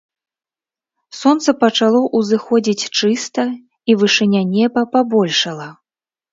Сонца пачало ўзыходзіць чыста, і вышыня неба пабольшала.